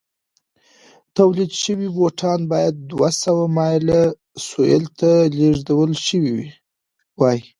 تولید شوي بوټان باید دوه سوه مایل سویل ته لېږدول شوي وای.